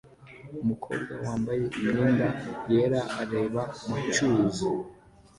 Umukobwa wambaye imyenda yera areba mu cyuzi